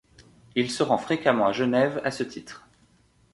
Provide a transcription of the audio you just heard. Il se rend fréquemment à Genève à ce titre.